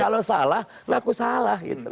kalau salah ngaku salah gitu